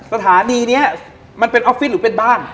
สถานีนี้มันเป็นออฟฟิศหรือเป็นบ้าน